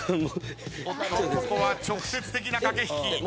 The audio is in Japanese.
おっとここは直接的な駆け引き。